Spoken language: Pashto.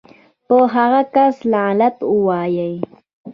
پۀ هغه کس لعنت اووائې